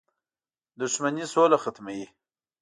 • دښمني سوله ختموي.